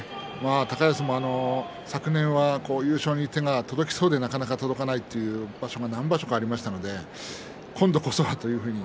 高安も昨年は優勝に手が届きそうでなかなか届かないという場所が何場所かありましたので今度こそはという。